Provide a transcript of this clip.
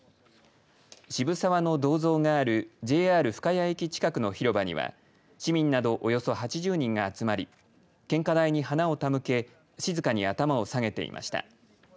渋沢の銅像があるＪＲ深谷駅近くの広場には市民など、およそ８０人が集まり献花台に花を手向け静かに頭を下げていました。